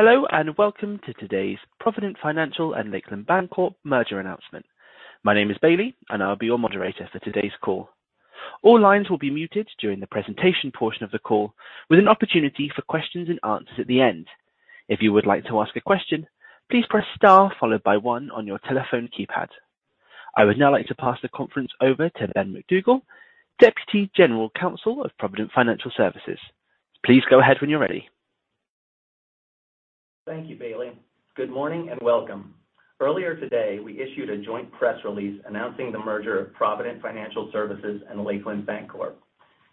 Hello, and welcome to today's Provident Financial and Lakeland Bancorp merger announcement. My name is Bailey, and I'll be your moderator for today's call. All lines will be muted during the presentation portion of the call, with an opportunity for questions and answers at the end. If you would like to ask a question, please press star followed by one on your telephone keypad. I would now like to pass the conference over to Bennett MacDougall, Deputy General Counsel of Provident Financial Services. Please go ahead when you're ready. Thank you, Bailey. Good morning, and welcome. Earlier today, we issued a joint press release announcing the merger of Provident Financial Services and Lakeland Bancorp.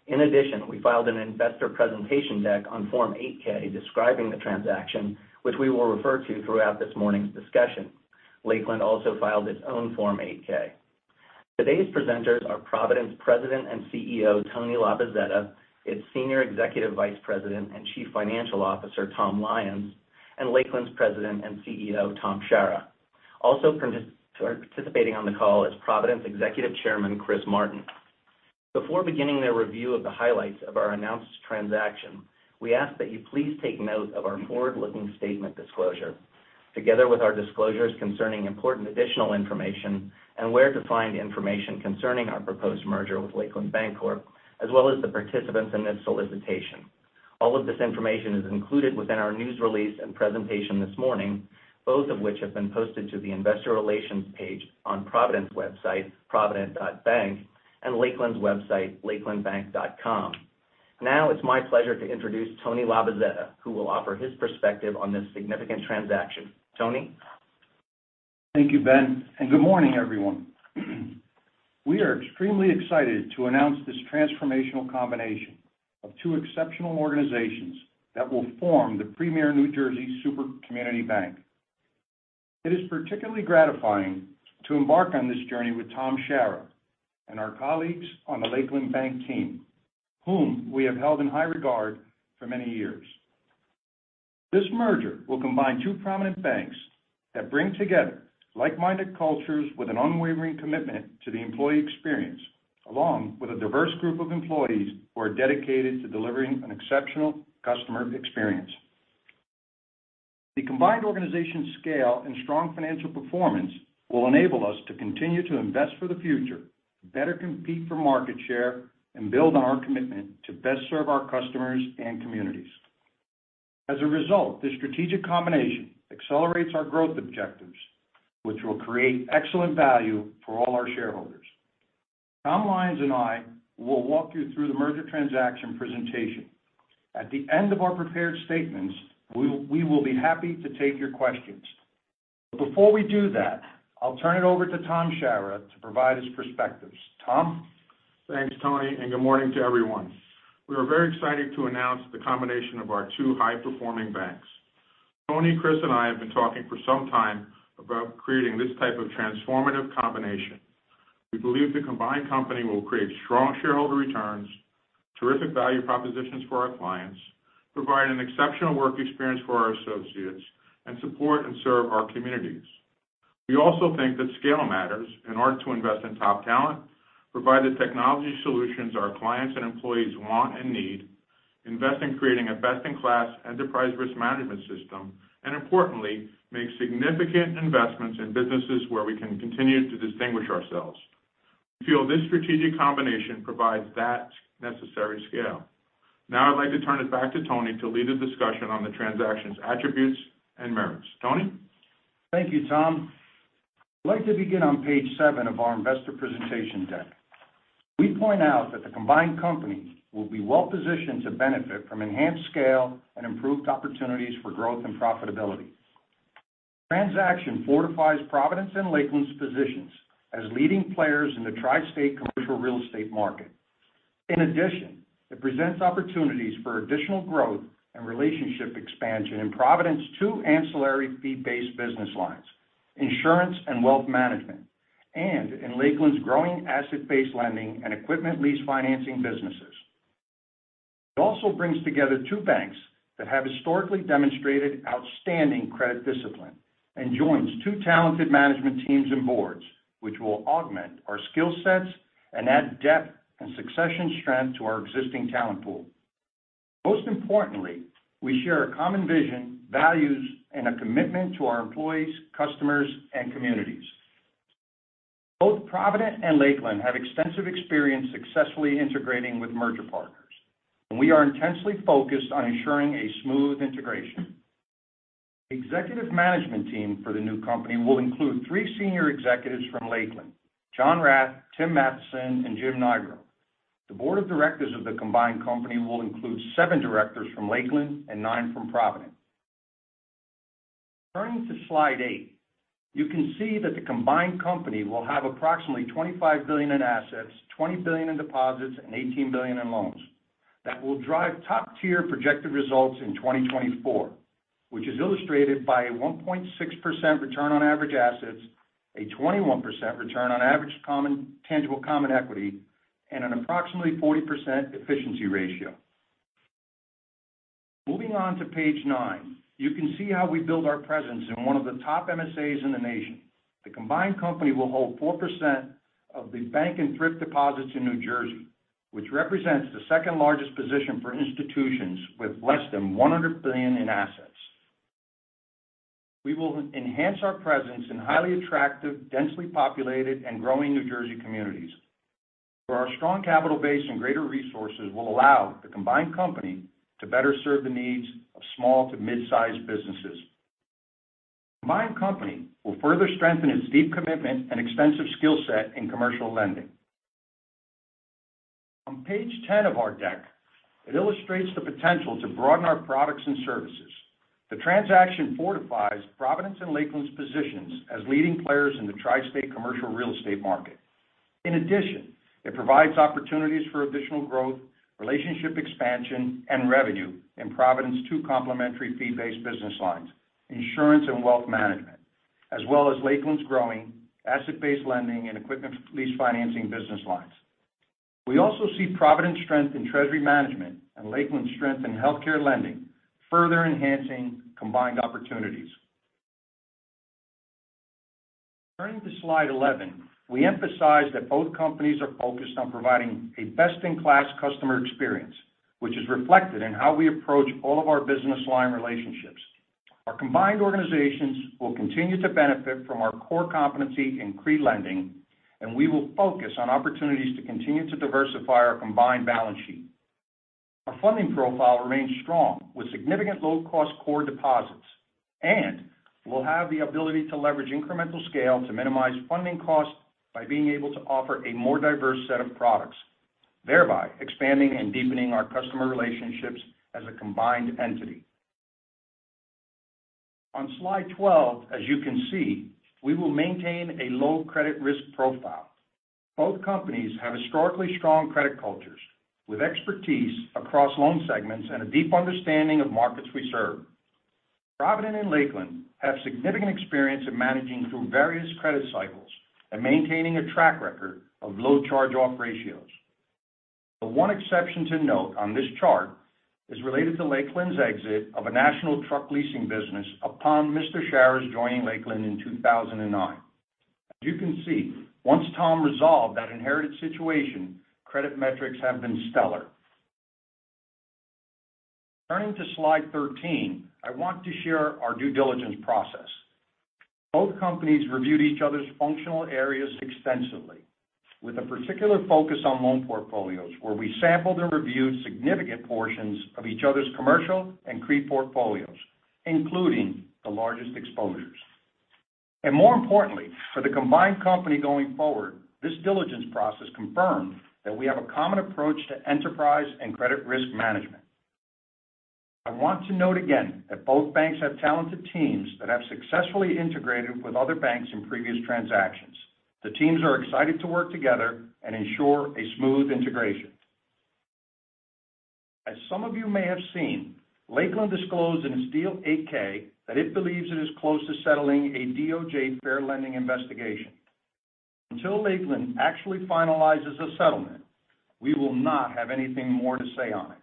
In addition, we filed an investor presentation deck on Form 8-K describing the transaction, which we will refer to throughout this morning's discussion. Lakeland also filed its own Form 8-K. Today's presenters are Provident's President and CEO, Tony Labozzetta, its Senior Executive Vice President and Chief Financial Officer, Tom Lyons, and Lakeland's President and CEO, Tom Shara. Also participating on the call is Provident's Executive Chairman, Chris Martin. Before beginning their review of the highlights of our announced transaction, we ask that you please take note of our forward-looking statement disclosure, together with our disclosures concerning important additional information and where to find information concerning our proposed merger with Lakeland Bancorp, as well as the participants in this solicitation. All of this information is included within our news release and presentation this morning, both of which have been posted to the investor relations page on Provident's website, provident.bank, and Lakeland's website, lakelandbank.com. Now it's my pleasure to introduce Tony Labozzetta, who will offer his perspective on this significant transaction. Tony? Thank you, Ben, and good morning, everyone. We are extremely excited to announce this transformational combination of two exceptional organizations that will form the premier New Jersey super community bank. It is particularly gratifying to embark on this journey with Tom Shara and our colleagues on the Lakeland Bank team, whom we have held in high regard for many years. This merger will combine two prominent banks that bring together like-minded cultures with an unwavering commitment to the employee experience, along with a diverse group of employees who are dedicated to delivering an exceptional customer experience. The combined organization's scale and strong financial performance will enable us to continue to invest for the future, better compete for market share, and build on our commitment to best serve our customers and communities. As a result, this strategic combination accelerates our growth objectives, which will create excellent value for all our shareholders. Tom Lyons and I will walk you through the merger transaction presentation. At the end of our prepared statements, we will be happy to take your questions. Before we do that, I'll turn it over to Tom Shara to provide his perspectives. Tom? Thanks, Tony, and good morning to everyone. We are very excited to announce the combination of our two high-performing banks. Tony, Chris, and I have been talking for some time about creating this type of transformative combination. We believe the combined company will create strong shareholder returns, terrific value propositions for our clients, provide an exceptional work experience for our associates, and support and serve our communities. We also think that scale matters in order to invest in top talent, provide the technology solutions our clients and employees want and need, invest in creating a best-in-class enterprise risk management system, and importantly, make significant investments in businesses where we can continue to distinguish ourselves. We feel this strategic combination provides that necessary scale. Now I'd like to turn it back to Tony to lead a discussion on the transaction's attributes and merits. Tony? Thank you, Tom. I'd like to begin on page seven of our investor presentation deck. We point out that the combined company will be well-positioned to benefit from enhanced scale and improved opportunities for growth and profitability. Transaction fortifies Provident and Lakeland's positions as leading players in the tri-state commercial real estate market. In addition, it presents opportunities for additional growth and relationship expansion in Provident's two ancillary fee-based business lines, insurance and wealth management, and in Lakeland's growing asset-based lending and equipment lease financing businesses. It also brings together two banks that have historically demonstrated outstanding credit discipline and joins two talented management teams and boards, which will augment our skill sets and add depth and succession strength to our existing talent pool. Most importantly, we share a common vision, values, and a commitment to our employees, customers, and communities. Both Provident and Lakeland have extensive experience successfully integrating with merger partners, and we are intensely focused on ensuring a smooth integration. Executive management team for the new company will include three senior executives from Lakeland, John Rath, Tim Matheson, and Jim Nigro. The board of directors of the combined company will include seven directors from Lakeland and nine from Provident. Turning to slide 8, you can see that the combined company will have approximately $25 billion in assets, $20 billion in deposits, and $18 billion in loans. That will drive top-tier projected results in 2024, which is illustrated by a 1.6% return on average assets, a 21% return on average tangible common equity, and an approximately 40% efficiency ratio. Moving on to page nine, you can see how we build our presence in one of the top MSAs in the nation. The combined company will hold 4% of the bank and thrift deposits in New Jersey, which represents the second-largest position for institutions with less than 100 billion in assets. We will enhance our presence in highly attractive, densely populated and growing New Jersey communities, where our strong capital base and greater resources will allow the combined company to better serve the needs of small to mid-sized businesses. The combined company will further strengthen its deep commitment and extensive skill set in commercial lending. On page 10 of our deck, it illustrates the potential to broaden our products and services. The transaction fortifies Provident and Lakeland's positions as leading players in the tri-state commercial real estate market. In addition, it provides opportunities for additional growth, relationship expansion, and revenue in Provident's two complementary fee-based business lines, insurance and wealth management. As well as Lakeland's growing asset-based lending and equipment lease financing business lines. We also see Provident strength in treasury management and Lakeland strength in healthcare lending, further enhancing combined opportunities. Turning to slide 11, we emphasize that both companies are focused on providing a best-in-class customer experience, which is reflected in how we approach all of our business line relationships. Our combined organizations will continue to benefit from our core competency in CRE lending, and we will focus on opportunities to continue to diversify our combined balance sheet. Our funding profile remains strong, with significant low-cost core deposits. We'll have the ability to leverage incremental scale to minimize funding costs by being able to offer a more diverse set of products. Thereby, expanding and deepening our customer relationships as a combined entity. On slide 12, as you can see, we will maintain a low credit risk profile. Both companies have historically strong credit cultures with expertise across loan segments and a deep understanding of markets we serve. Provident and Lakeland have significant experience in managing through various credit cycles and maintaining a track record of low charge-off ratios. The one exception to note on this chart is related to Lakeland's exit of a national truck leasing business upon Mr. Shara's joining Lakeland in 2009. As you can see, once Tom resolved that inherited situation, credit metrics have been stellar. Turning to slide 13, I want to share our due diligence process. Both companies reviewed each other's functional areas extensively, with a particular focus on loan portfolios, where we sampled and reviewed significant portions of each other's commercial and CRE portfolios, including the largest exposures. More importantly, for the combined company going forward, this diligence process confirmed that we have a common approach to enterprise and credit risk management. I want to note again that both banks have talented teams that have successfully integrated with other banks in previous transactions. The teams are excited to work together and ensure a smooth integration. As some of you may have seen, Lakeland disclosed in its deal 8-K that it believes it is close to settling a DOJ fair lending investigation. Until Lakeland actually finalizes a settlement, we will not have anything more to say on it.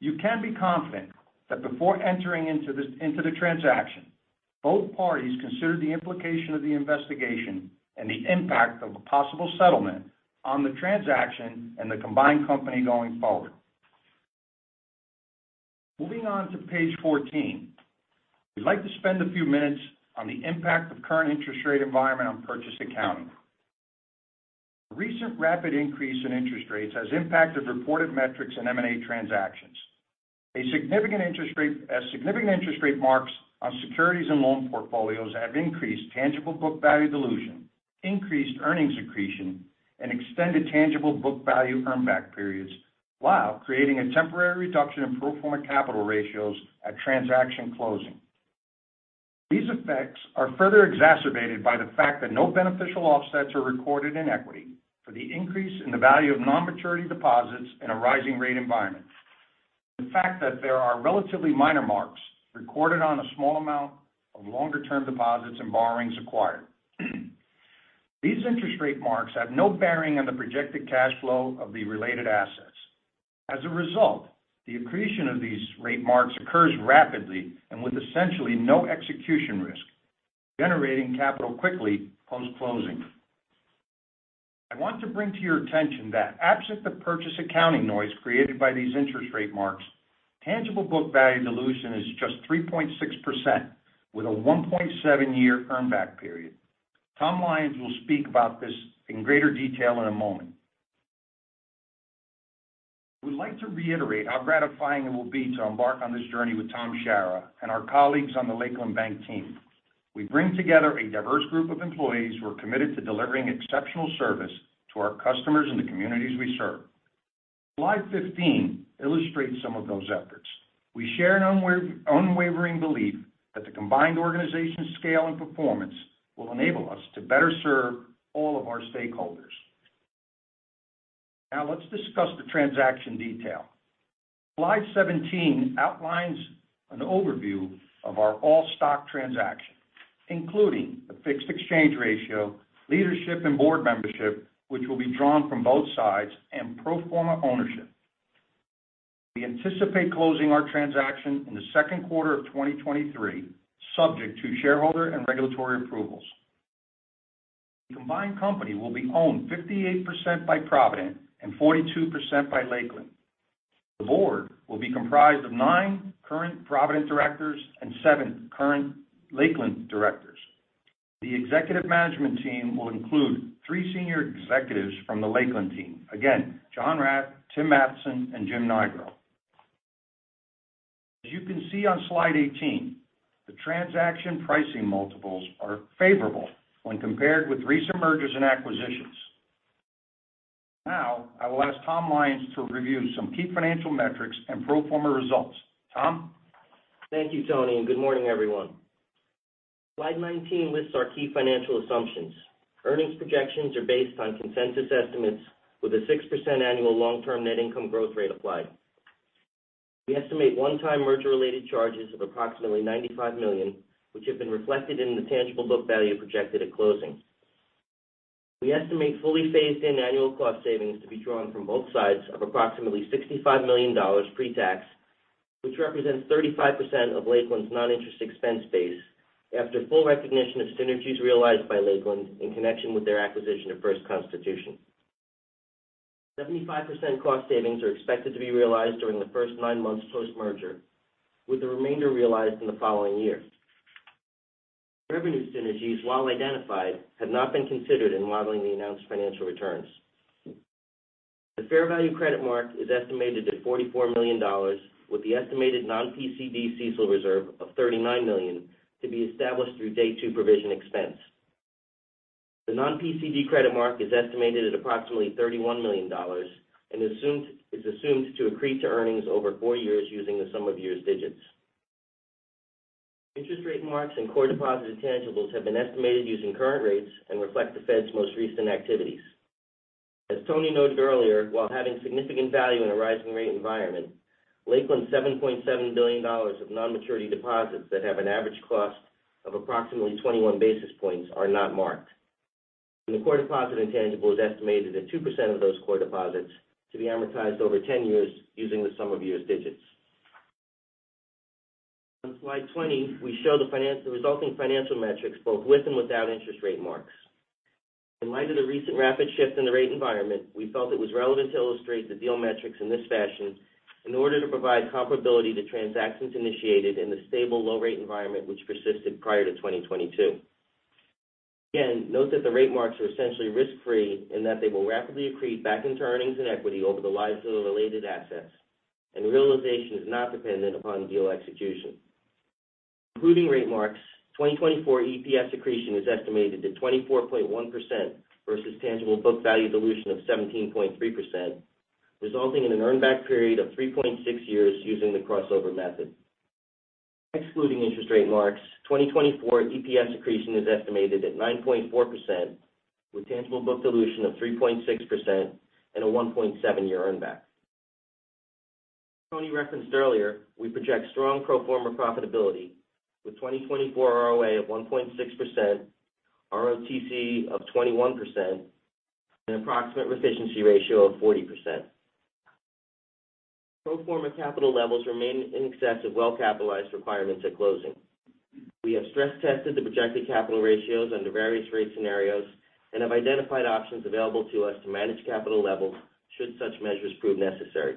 You can be confident that before entering into the transaction, both parties considered the implication of the investigation and the impact of a possible settlement on the transaction and the combined company going forward. Moving on to page 14. We'd like to spend a few minutes on the impact of current interest rate environment on purchase accounting. The recent rapid increase in interest rates has impacted reported metrics in M&A transactions. Significant interest rate marks on securities and loan portfolios have increased tangible book value dilution, increased earnings accretion, and extended tangible book value earn back periods while creating a temporary reduction in pro forma capital ratios at transaction closing. These effects are further exacerbated by the fact that no beneficial offsets are recorded in equity for the increase in the value of non-maturity deposits in a rising rate environment, the fact that there are relatively minor marks recorded on a small amount of longer-term deposits and borrowings acquired. These interest rate marks have no bearing on the projected cash flow of the related assets. As a result, the accretion of these rate marks occurs rapidly and with essentially no execution risk, generating capital quickly post-closing. I want to bring to your attention that absent the purchase accounting noise created by these interest rate marks, tangible book value dilution is just 3.6% with a 1.7-year earn-back period. Tom Lyons will speak about this in greater detail in a moment. We'd like to reiterate how gratifying it will be to embark on this journey with Tom Schara and our colleagues on the Lakeland Bank team. We bring together a diverse group of employees who are committed to delivering exceptional service to our customers in the communities we serve. Slide 15 illustrates some of those efforts. We share an unwavering belief that the combined organization's scale and performance will enable us to better serve all of our stakeholders. Now let's discuss the transaction detail. Slide 17 outlines an overview of our all-stock transaction, including the fixed exchange ratio, leadership and board membership, which will be drawn from both sides, and pro forma ownership. We anticipate closing our transaction in the second quarter of 2023, subject to shareholder and regulatory approvals. The combined company will be owned 58% by Provident and 42% by Lakeland. The board will be comprised of nine current Provident directors and seven current Lakeland directors. The executive management team will include three senior executives from the Lakeland team. Again, John Rath, Tim Matteson, and Jim Nigro. As you can see on slide 18, the transaction pricing multiples are favorable when compared with recent mergers and acquisitions. Now, I will ask Tom Lyons to review some key financial metrics and pro forma results. Tom? Thank you, Tony, and good morning, everyone. Slide 19 lists our key financial assumptions. Earnings projections are based on consensus estimates with a 6% annual long-term net income growth rate applied. We estimate one-time merger-related charges of approximately $95 million, which have been reflected in the tangible book value projected at closing. We estimate fully phased-in annual cost savings to be drawn from both sides of approximately $65 million pre-tax, which represents 35% of Lakeland's non-interest expense base after full recognition of synergies realized by Lakeland in connection with their acquisition of 1st Constitution. 75% cost savings are expected to be realized during the first nine months post-merger, with the remainder realized in the following year. Revenue synergies, while identified, have not been considered in modeling the announced financial returns. The fair value credit mark is estimated at $44 million, with the estimated non-PCD CECL reserve of $39 million to be established through day two provision expense. The non-PCD credit mark is estimated at approximately $31 million and is assumed to accrete to earnings over four years using the sum of years' digits. Interest rate marks and core deposit intangibles have been estimated using current rates and reflect the Fed's most recent activities. As Tony noted earlier, while having significant value in a rising rate environment, Lakeland's $7.7 billion of non-maturity deposits that have an average cost of approximately 21 basis points are not marked. The core deposit intangible is estimated at 2% of those core deposits to be amortized over 10 years using the sum of years' digits. On slide 20, we show the resulting financial metrics both with and without interest rate marks. In light of the recent rapid shift in the rate environment, we felt it was relevant to illustrate the deal metrics in this fashion in order to provide comparability to transactions initiated in the stable low-rate environment which persisted prior to 2022. Again, note that the rate marks are essentially risk-free and that they will rapidly accrete back into earnings and equity over the lives of the related assets, and realization is not dependent upon deal execution. Including rate marks, 2024 EPS accretion is estimated at 24.1% versus tangible book value dilution of 17.3%, resulting in an earn back period of 3.6 years using the crossover method. Excluding interest rate marks, 2024 EPS accretion is estimated at 9.4% with tangible book dilution of 3.6% and a 1.7-year earn back. As Tony referenced earlier, we project strong pro forma profitability with 2024 ROA of 1.6%, ROTCE of 21%, and approximate efficiency ratio of 40%. Pro forma capital levels remain in excess of well-capitalized requirements at closing. We have stress tested the projected capital ratios under various rate scenarios and have identified options available to us to manage capital levels should such measures prove necessary.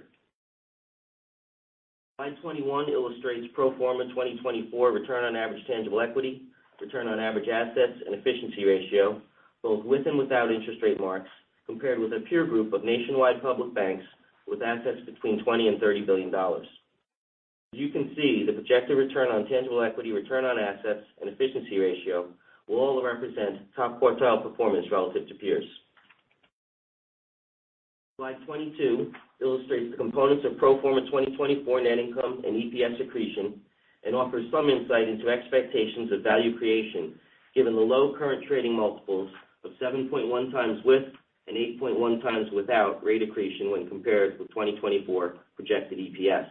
Slide 21 illustrates pro forma 2024 return on average tangible equity, return on average assets, and efficiency ratio, both with and without interest rate marks, compared with a peer group of nationwide public banks with assets between $20 billion and $30 billion. As you can see, the projected return on tangible equity, return on assets, and efficiency ratio will all represent top quartile performance relative to peers. Slide 22 illustrates the components of pro forma 2024 net income and EPS accretion and offers some insight into expectations of value creation given the low current trading multiples of 7.1x with and 8.1x without rate accretion when compared with 2024 projected EPS.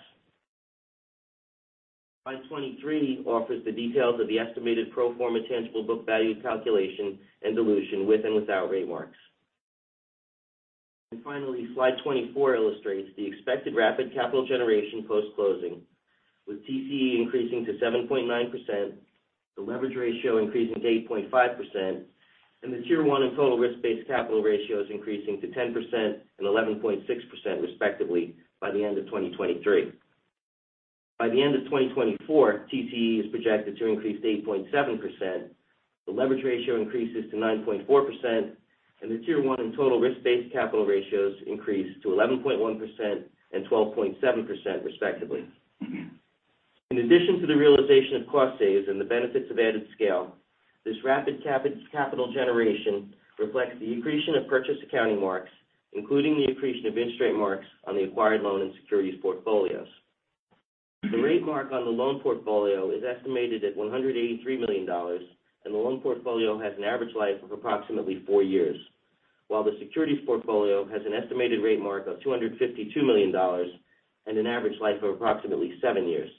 Slide 23 offers the details of the estimated pro forma tangible book value calculation and dilution with and without rate marks. Finally, slide 24 illustrates the expected rapid capital generation post-closing, with TCE increasing to 7.9%, the leverage ratio increasing to 8.5%, and the Tier 1 and total risk-based capital ratios increasing to 10% and 11.6% respectively by the end of 2023. By the end of 2024, TCE is projected to increase to 8.7%, the leverage ratio increases to 9.4%, and the Tier 1 and total risk-based capital ratios increase to 11.1% and 12.7% respectively. In addition to the realization of cost saves and the benefits of added scale, this rapid capital generation reflects the accretion of purchase accounting marks, including the accretion of interest rate marks on the acquired loan and securities portfolios. The rate mark on the loan portfolio is estimated at $183 million, and the loan portfolio has an average life of approximately four years, while the securities portfolio has an estimated rate mark of $252 million and an average life of approximately seven years.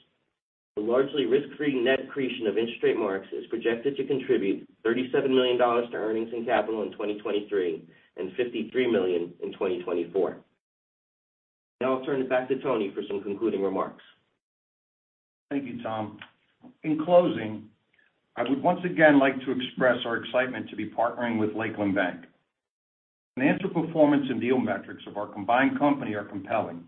A largely risk-free net accretion of interest rate marks is projected to contribute $37 million to earnings and capital in 2023 and $53 million in 2024. Now I'll turn it back to Tony for some concluding remarks. Thank you, Tom. In closing, I would once again like to express our excitement to be partnering with Lakeland Bank. Financial performance and deal metrics of our combined company are compelling,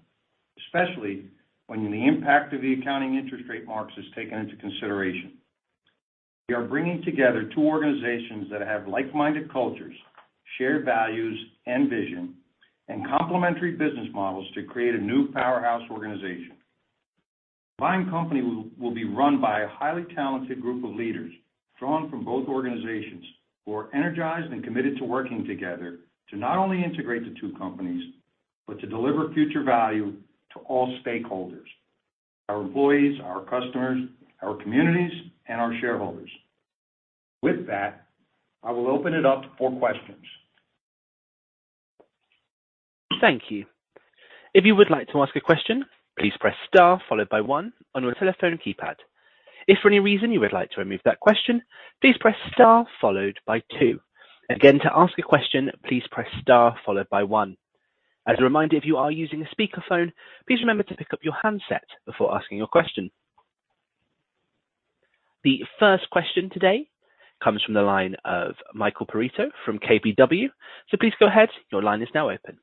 especially when the impact of the accounting interest rate marks is taken into consideration. We are bringing together two organizations that have like-minded cultures, shared values and vision, and complementary business models to create a new powerhouse organization. Combined company will be run by a highly talented group of leaders drawn from both organizations, who are energized and committed to working together to not only integrate the two companies, but to deliver future value to all stakeholders, our employees, our customers, our communities, and our shareholders. With that, I will open it up for questions. Thank you. If you would like to ask a question, please press star followed by one on your telephone keypad. If for any reason you would like to remove that question, please press star followed by two. Again, to ask a question, please press star followed by one. As a reminder, if you are using a speakerphone, please remember to pick up your handset before asking your question. The first question today comes from the line of Michael Perito from KBW. Please go ahead, your line is now open.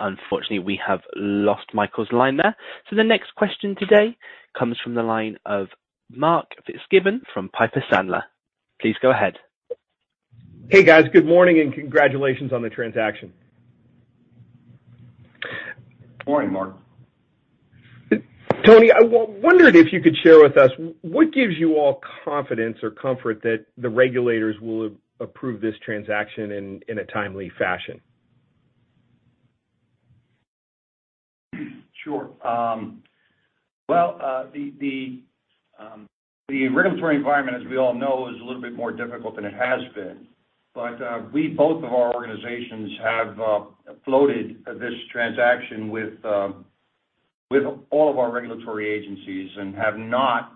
Unfortunately, we have lost Michael's line there. The next question today comes from the line of Mark Fitzgibbon from Piper Sandler. Please go ahead. Hey, guys. Good morning, and congratulations on the transaction. Morning, Mark. Tony, I wondered if you could share with us what gives you all confidence or comfort that the regulators will approve this transaction in a timely fashion? Sure. Well, the regulatory environment, as we all know, is a little bit more difficult than it has been. Both of our organizations have floated this transaction with all of our regulatory agencies and have not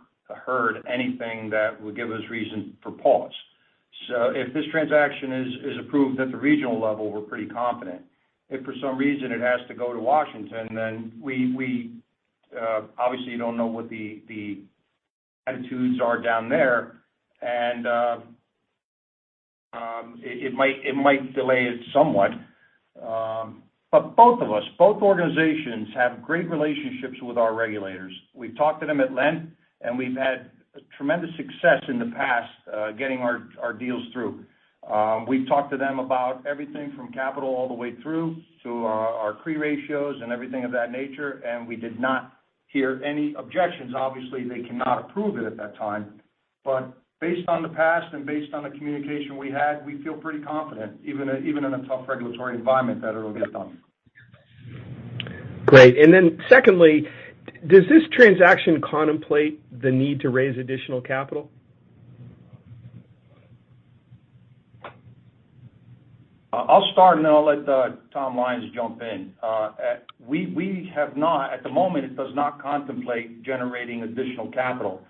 heard anything that would give us reason for pause. If this transaction is approved at the regional level, we're pretty confident. If for some reason it has to go to Washington, we obviously don't know what the attitudes are down there. It might delay it somewhat. Both organizations have great relationships with our regulators. We've talked to them at length, and we've had tremendous success in the past, getting our deals through. We've talked to them about everything from capital all the way through to our CRE ratios and everything of that nature, and we did not hear any objections. Obviously, they cannot approve it at that time. Based on the past and based on the communication we had, we feel pretty confident, even in a tough regulatory environment, that it'll get done. Great. Secondly, does this transaction contemplate the need to raise additional capital? I'll start, and then I'll let Tom Lyons jump in. We have not. At the moment, it does not contemplate generating additional capital.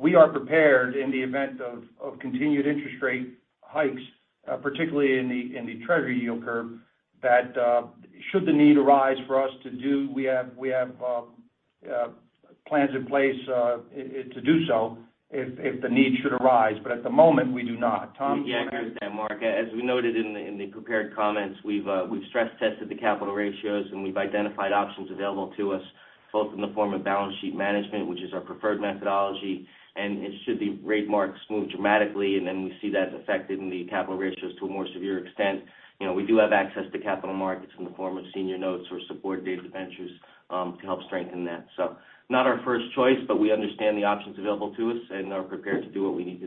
We are prepared in the event of continued interest rate hikes, particularly in the treasury yield curve, that should the need arise for us to do. We have plans in place to do so if the need should arise. At the moment, we do not. Tom? Yeah, I agree with that, Mark. As we noted in the prepared comments, we've stress tested the capital ratios, and we've identified options available to us, both in the form of balance sheet management, which is our preferred methodology. Should the rate marks move dramatically, and then we see that affecting the capital ratios to a more severe extent, you know, we do have access to capital markets in the form of senior notes or subordinated debt issuances, to help strengthen that. Not our first choice, but we understand the options available to us and are prepared to do what we need to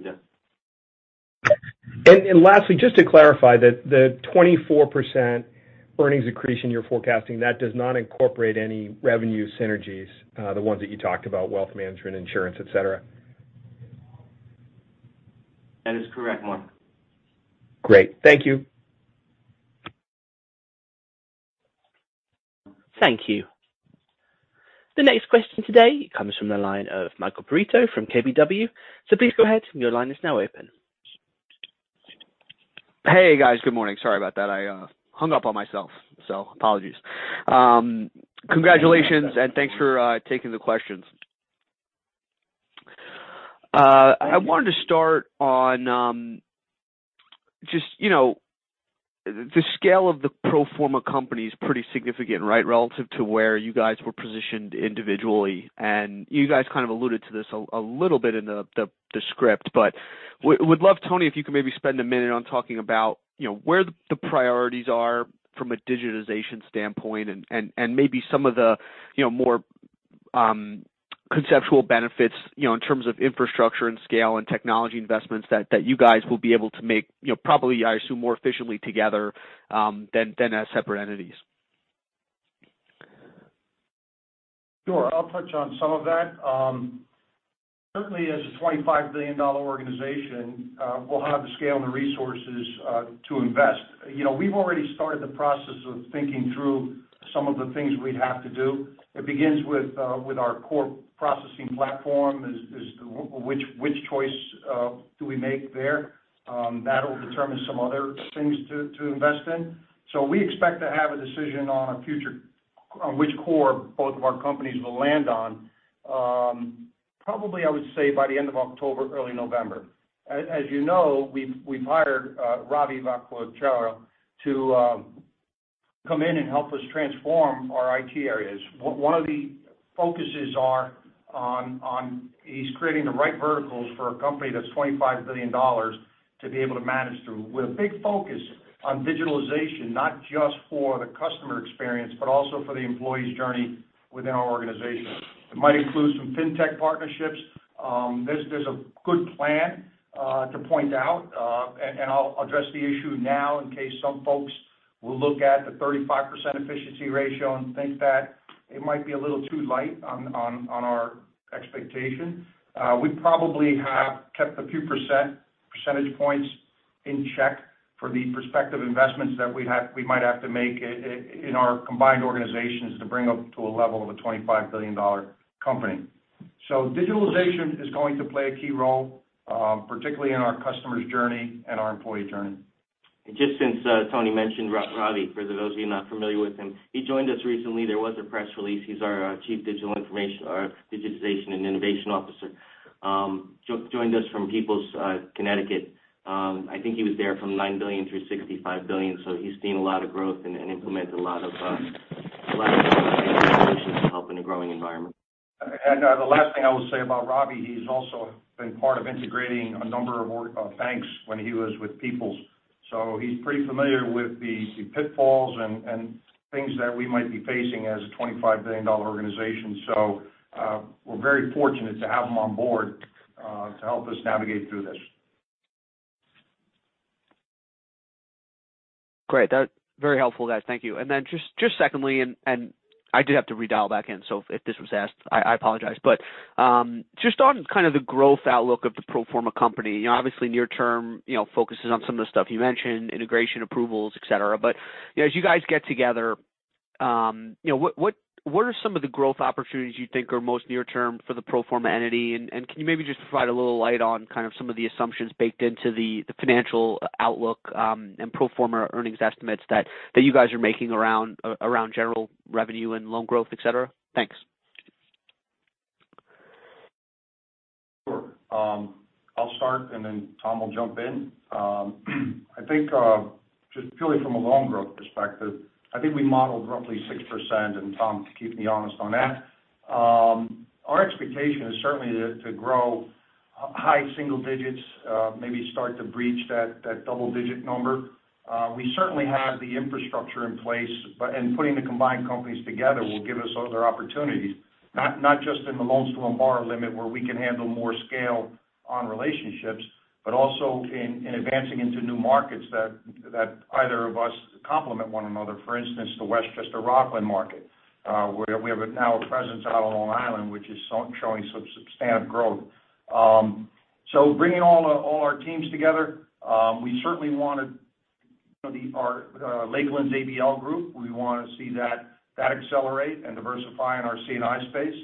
do. Lastly, just to clarify that the 24% earnings accretion you're forecasting, that does not incorporate any revenue synergies, the ones that you talked about, wealth management, insurance, et cetera. That is correct, Mark. Great. Thank you. Thank you. The next question today comes from the line of Michael Perito from KBW. So please go ahead. Your line is now open. Hey, guys. Good morning. Sorry about that. I hung up on myself, so apologies. Congratulations. Yeah. Thanks for taking the questions. I wanted to start on just, you know, the scale of the pro forma company is pretty significant, right? Relative to where you guys were positioned individually. You guys kind of alluded to this a little bit in the script. Would love, Tony, if you could maybe spend a minute on talking about, you know, where the priorities are from a digitization standpoint and maybe some of the, you know, more conceptual benefits, you know, in terms of infrastructure and scale and technology investments that you guys will be able to make, you know, probably, I assume, more efficiently together than as separate entities. Sure. I'll touch on some of that. Certainly as a $25 billion organization, we'll have the scale and the resources to invest. You know, we've already started the process of thinking through some of the things we'd have to do. It begins with our core processing platform, which choice do we make there? That'll determine some other things to invest in. We expect to have a decision on which core both of our companies will land on, probably, I would say, by the end of October, early November. As you know, we've hired Ravi Vakacherla to come in and help us transform our IT areas. One of the focuses is on us creating the right verticals for a company that's $25 billion to be able to manage through, with a big focus on digitalization, not just for the customer experience, but also for the employee's journey within our organization. It might include some fintech partnerships. There's a good plan to point out. I'll address the issue now in case some folks will look at the 35% efficiency ratio and think that it might be a little too light on our expectation. We probably have kept a few percentage points in check for the prospective investments that we might have to make in our combined organizations to bring up to a level of a $25 billion company. Digitalization is going to play a key role, particularly in our customer's journey and our employee journey. Just since Tony mentioned Ravi, for those of you not familiar with him, he joined us recently. There was a press release. He's our Chief Digital and Innovation Officer. He joined us from People's United Bank, Connecticut. I think he was there from $9 billion through $65 billion. He's seen a lot of growth and implemented a lot of solutions to help in a growing environment. The last thing I will say about Ravi, he's also been part of integrating a number of banks when he was with People's. He's pretty familiar with the pitfalls and things that we might be facing as a $25 billion organization. We're very fortunate to have him on board to help us navigate through this. Great. That's very helpful, guys. Thank you. Just secondly, I did have to redial back in, so if this was asked, I apologize. Just on kind of the growth outlook of the pro forma company, you know, obviously near term, you know, focuses on some of the stuff you mentioned, integration, approvals, et cetera. You know, as you guys get together, you know, what are some of the growth opportunities you think are most near term for the pro forma entity? Can you maybe just provide a little light on kind of some of the assumptions baked into the financial outlook, and pro forma earnings estimates that you guys are making around general revenue and loan growth, et cetera? Thanks. Sure. I'll start, and then Tom will jump in. I think, just purely from a loan growth perspective, I think we modeled roughly 6%, and Tom can keep me honest on that. Our expectation is certainly to grow high single digits, maybe start to breach that double-digit number. We certainly have the infrastructure in place, but putting the combined companies together will give us other opportunities, not just in the loans to a borrower limit, where we can handle more scale on relationships, but also in advancing into new markets that either of us complement one another. For instance, the Westchester Rockland market, where we have now a presence out on Long Island, which is showing some substantial growth. Bringing all our teams together, we certainly want to, you know, our Lakeland's ABL group. We wanna see that accelerate and diversify in our C&I space.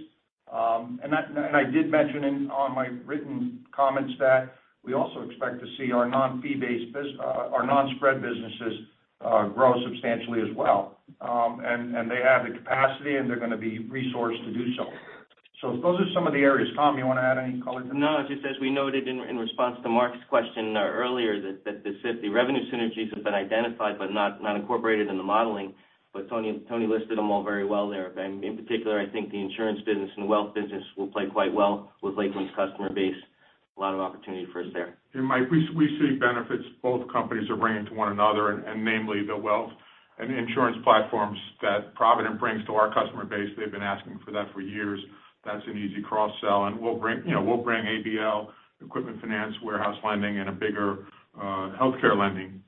And I did mention in my written comments that we also expect to see our non-spread businesses grow substantially as well. And they have the capacity, and they're gonna be resourced to do so. Those are some of the areas. Tom, you wanna add any color to that? No, just as we noted in response to Mark's question earlier that the revenue synergies have been identified but not incorporated in the modeling. Tony listed them all very well there. In particular, I think the insurance business and wealth business will play quite well with Lakeland's customer base. A lot of opportunity for us there. Mike, we see benefits both companies are bringing to one another, and namely the wealth and insurance platforms that Provident brings to our customer base. They've been asking for that for years. That's an easy cross-sell, and you know, we'll bring ABL, equipment finance, warehouse lending, and a bigger healthcare lending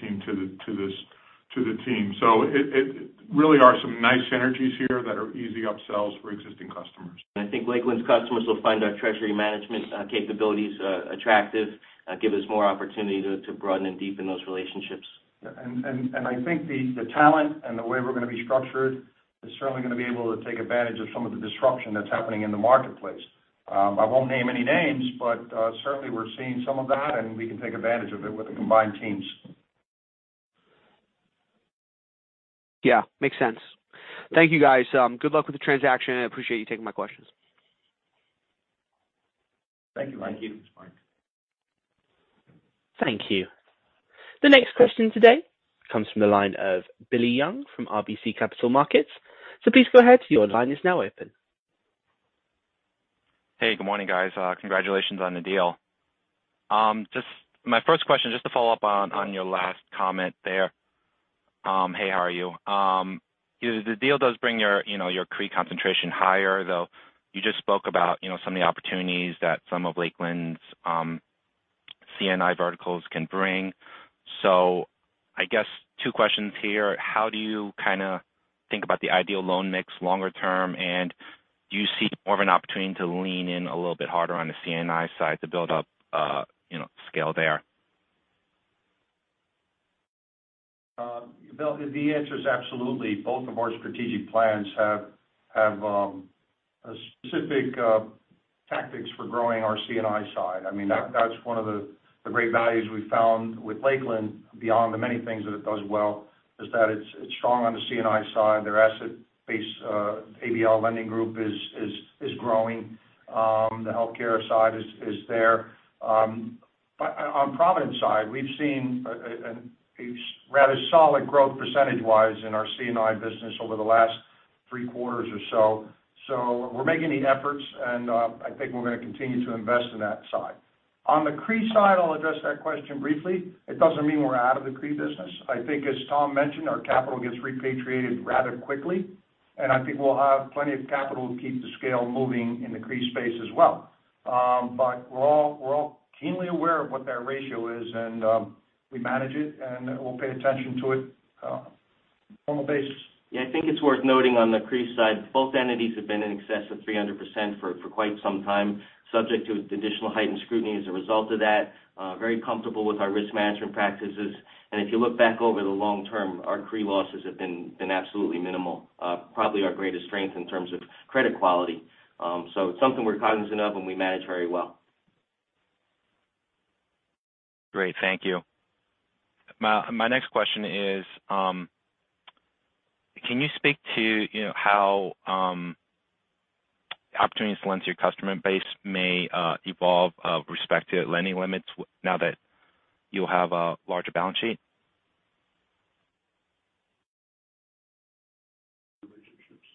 team to the team. It really are some nice synergies here that are easy upsells for existing customers. I think Lakeland's customers will find our treasury management capabilities attractive, give us more opportunity to broaden and deepen those relationships. Yeah. I think the talent and the way we're gonna be structured is certainly gonna be able to take advantage of some of the disruption that's happening in the marketplace. I won't name any names, but certainly we're seeing some of that, and we can take advantage of it with the combined teams. Yeah, makes sense. Thank you, guys. Good luck with the transaction. I appreciate you taking my questions. Thank you, Mike. Thank you. Thanks, Mike. Thank you. The next question today comes from the line of Bill Young from RBC Capital Markets. Please go ahead. Your line is now open. Hey, good morning, guys. Congratulations on the deal. Just my first question, just to follow up on your last comment there. Hey, how are you? You know, the deal does bring your CRE concentration higher, though you just spoke about, you know, some of the opportunities that some of Lakeland's. C&I verticals can bring. I guess two questions here. How do you kind of think about the ideal loan mix longer term? And do you see more of an opportunity to lean in a little bit harder on the C&I side to build up, you know, scale there? Bill, the answer is absolutely. Both of our strategic plans have specific tactics for growing our C&I side. I mean, that's one of the great values we found with Lakeland, beyond the many things that it does well, is that it's strong on the C&I side. Their asset base, ABL lending group is growing. The healthcare side is there. On Provident side, we've seen a rather solid growth percentage-wise in our C&I business over the last 3/4 or so. We're making the efforts, and I think we're gonna continue to invest in that side. On the CRE side, I'll address that question briefly. It doesn't mean we're out of the CRE business. I think as Tom mentioned, our capital gets repatriated rather quickly, and I think we'll have plenty of capital to keep the scale moving in the CRE space as well. We're all keenly aware of what that ratio is, and we manage it, and we'll pay attention to it on a basis. Yeah, I think it's worth noting on the CRE side, both entities have been in excess of 300% for quite some time, subject to additional heightened scrutiny as a result of that. Very comfortable with our risk management practices. If you look back over the long term, our CRE losses have been absolutely minimal, probably our greatest strength in terms of credit quality. It's something we're cognizant of, and we manage very well. Great. Thank you. My next question is, can you speak to, you know, how opportunities to lend to your customer base may evolve with respect to lending limits now that you'll have a larger balance sheet? Relationships.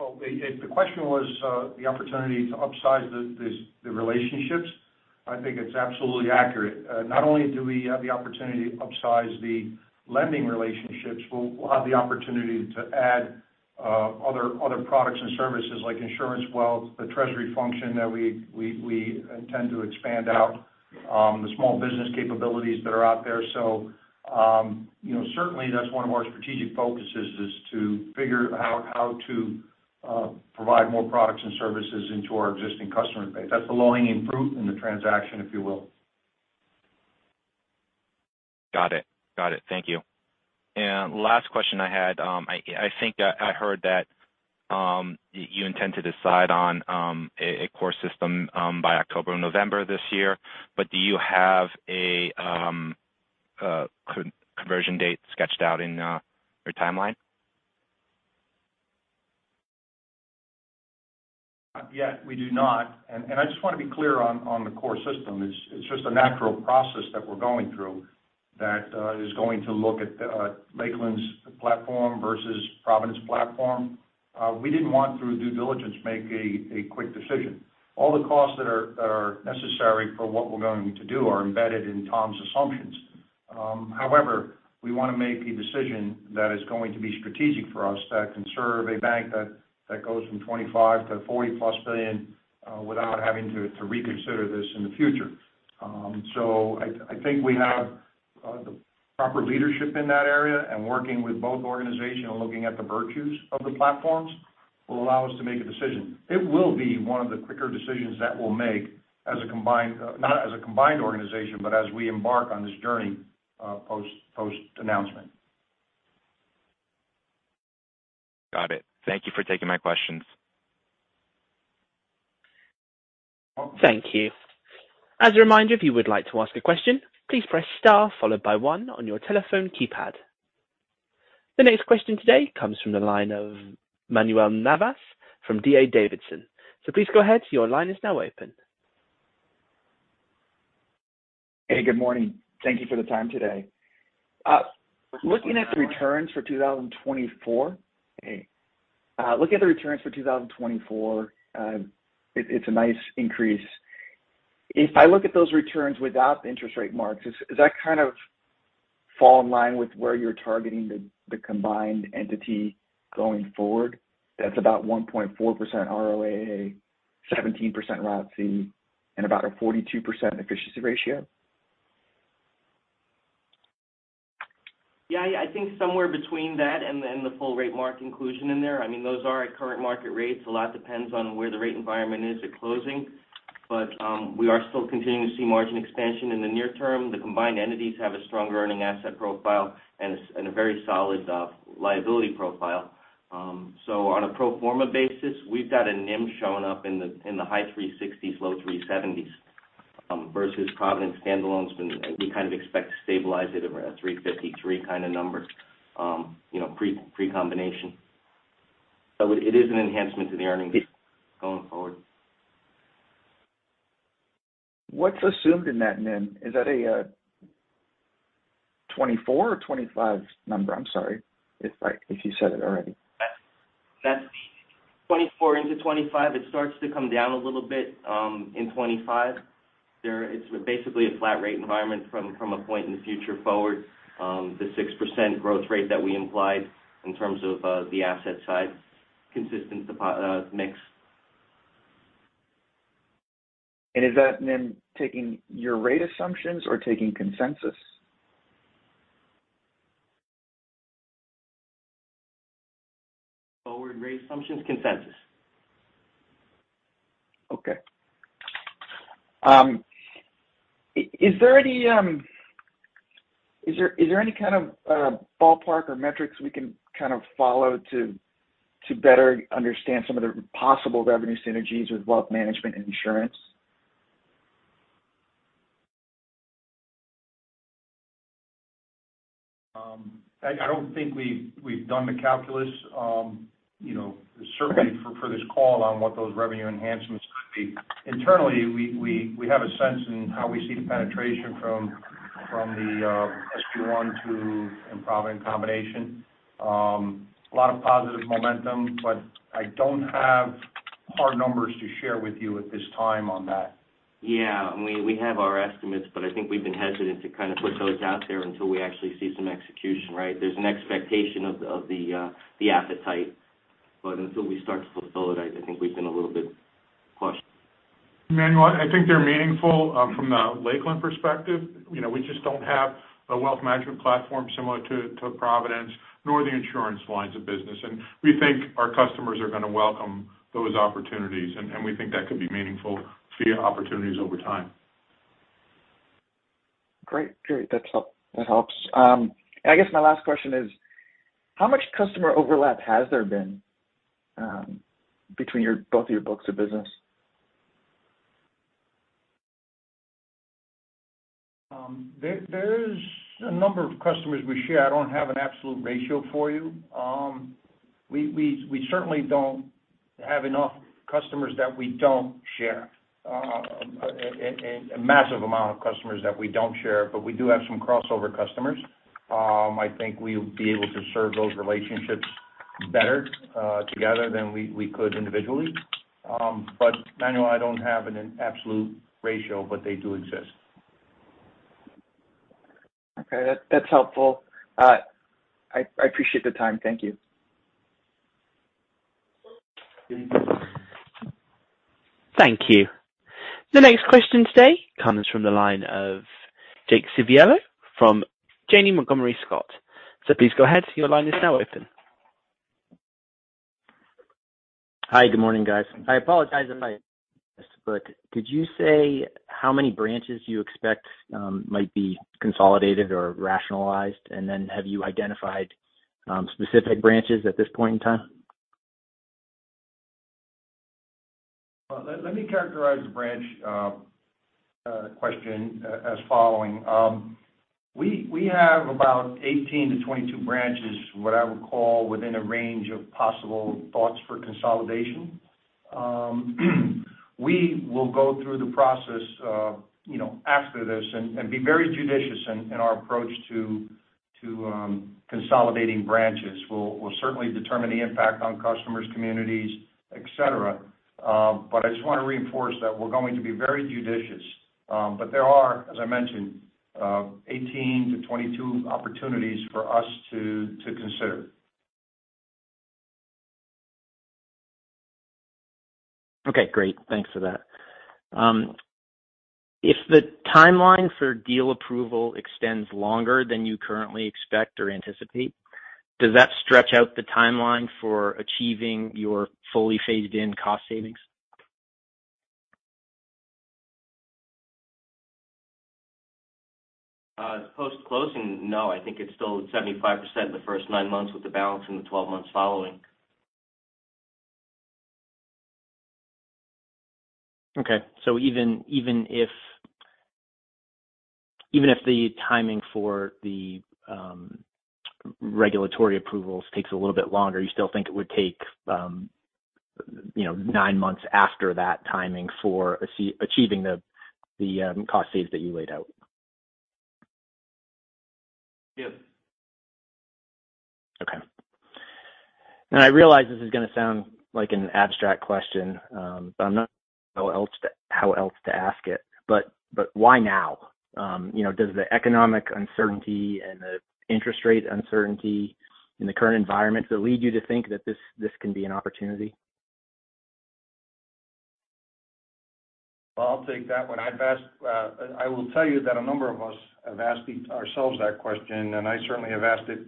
Well, if the question was the opportunity to upsize the relationships, I think it's absolutely accurate. Not only do we have the opportunity to upsize the lending relationships, we'll have the opportunity to add other products and services like insurance, wealth, the treasury function that we intend to expand out, the small business capabilities that are out there. You know, certainly that's one of our strategic focuses is to figure out how to provide more products and services into our existing customer base. That's the low-hanging fruit in the transaction, if you will. Got it. Thank you. Last question I had, I think I heard that you intend to decide on a core system by October or November this year. Do you have a conversion date sketched out in your timeline? Not yet. We do not. I just want to be clear on the core system. It's just a natural process that we're going through that is going to look at Lakeland's platform versus Provident platform. We didn't want, through due diligence, to make a quick decision. All the costs that are necessary for what we're going to do are embedded in Tom's assumptions. However, we want to make a decision that is going to be strategic for us, that can serve a bank that goes from $25 billion-$40+ billion without having to reconsider this in the future. I think we have the proper leadership in that area and working with both organizations and looking at the virtues of the platforms will allow us to make a decision. It will be one of the quicker decisions that we'll make, not as a combined organization, but as we embark on this journey post-announcement. Got it. Thank you for taking my questions. Thank you. As a reminder, if you would like to ask a question, please press star followed by one on your telephone keypad. The next question today comes from the line of Manuel Navas from D.A. Davidson. Please go ahead. Your line is now open. Hey, good morning. Thank you for the time today. Looking at the returns for 2024, it's a nice increase. If I look at those returns without the interest rate marks, does that kind of fall in line with where you're targeting the combined entity going forward? That's about 1.4% ROAA, 17% ROTCE, and about a 42% efficiency ratio. I think somewhere between that and the full rate mark inclusion in there. I mean, those are at current market rates. A lot depends on where the rate environment is at closing. We are still continuing to see margin expansion in the near term. The combined entities have a stronger earning asset profile and a very solid liability profile. On a pro forma basis, we've got a NIM showing up in the high 3.60s%-low 3.70s%, versus Provident standalone has been. We kind of expect to stabilize it around a 3.53% kind of number, you know, pre-combination. It is an enhancement to the earnings going forward. What's assumed in that NIM? Is that a 24 or 25 number? I'm sorry if you said it already. That's 2024 into 2025. It starts to come down a little bit in 2025. It's basically a flat rate environment from a point in the future forward, the 6% growth rate that we implied in terms of the asset side. Consistent mix. Is that then taking your rate assumptions or taking consensus? Forward rate assumptions consensus. Okay. Is there any kind of ballpark or metrics we can kind of follow to better understand some of the possible revenue synergies with wealth management and insurance? I don't think we've done the calculus, you know, certainly for this call on what those revenue enhancements could be. Internally, we have a sense in how we see the penetration from the SB One to Provident combination. A lot of positive momentum, but I don't have hard numbers to share with you at this time on that. Yeah. I mean, we have our estimates, but I think we've been hesitant to kind of put those out there until we actually see some execution, right? There's an expectation of the appetite. Until we start to fulfill it, I think we've been a little bit cautious. Manuel, I think they're meaningful from the Lakeland perspective. You know, we just don't have a wealth management platform similar to Provident, nor the insurance lines of business. We think our customers are gonna welcome those opportunities, and we think that could be meaningful fee opportunities over time. Great. That's helpful. That helps. I guess my last question is, how much customer overlap has there been, between your both of your books of business? There is a number of customers we share. I don't have an absolute ratio for you. We certainly don't have enough customers that we don't share a massive amount of customers that we don't share, but we do have some crossover customers. I think we'll be able to serve those relationships better together than we could individually. Manuel, I don't have an absolute ratio, but they do exist. Okay. That, that's helpful. I appreciate the time. Thank you. Thank you. The next question today comes from the line of Jake Civiello from Janney Montgomery Scott. Please go ahead. Your line is now open. Hi. Good morning, guys. Well, I'll take that one. I will tell you that a number of us have asked ourselves that question, and I certainly have asked it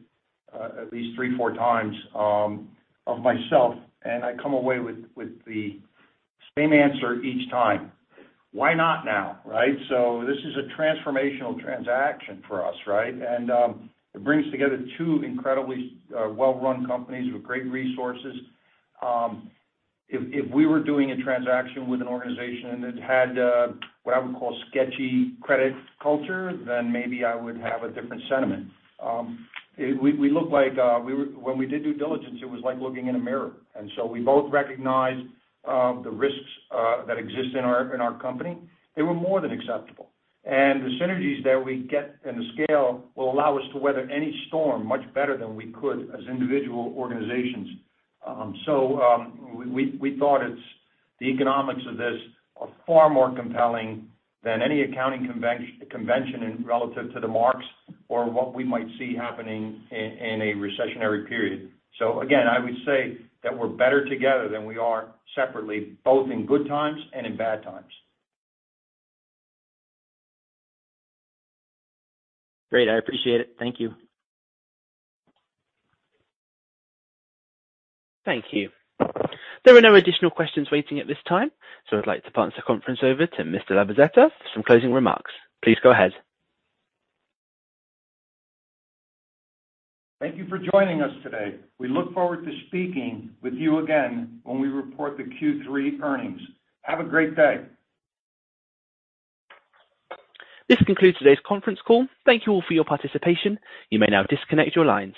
at least three, 4x of myself, and I come away with the same answer each time. Why not now, right? This is a transformational transaction for us, right? It brings together two incredibly well-run companies with great resources. If we were doing a transaction with an organization and it had what I would call sketchy credit culture, then maybe I would have a different sentiment. When we did due diligence, it was like looking in a mirror. We both recognized the risks that exist in our company. They were more than acceptable. The synergies that we get and the scale will allow us to weather any storm much better than we could as individual organizations. We thought that the economics of this are far more compelling than any accounting convention in relation to the marks or what we might see happening in a recessionary period. Again, I would say that we're better together than we are separately, both in good times and in bad times. Great. I appreciate it. Thank you. Thank you. There are no additional questions waiting at this time, so I'd like to pass the conference over to Mr. Labozzetta for some closing remarks. Please go ahead. Thank you for joining us today. We look forward to speaking with you again when we report the Q3 earnings. Have a great day. This concludes today's conference call. Thank you all for your participation. You may now disconnect your lines.